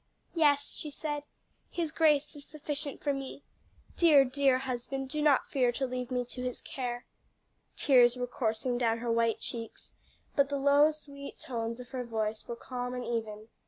"Yes," she said, "His grace is sufficient for me. Dear, dear husband, do not fear to leave me to his care." Tears were coursing down her white cheeks, but the low, sweet tones of her voice were calm and even.